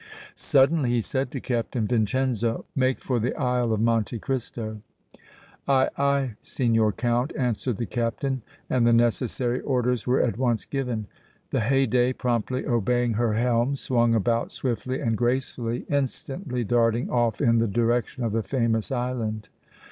Suddenly he said to Captain Vincenzo: "Make for the Isle of Monte Cristo!" "Aye, aye, Signor Count," answered the Captain, and the necessary orders were at once given. The Haydée, promptly obeying her helm, swung about swiftly and gracefully, instantly darting off in the direction of the famous island.